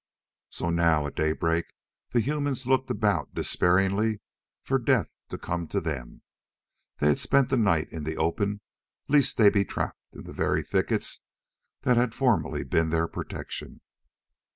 So now, at daybreak, the humans looked about despairingly for death to come to them. They had spent the night in the open lest they be trapped in the very thickets that had formerly been their protection.